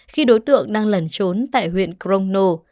khi đối tượng đang lần trốn tại huyện crono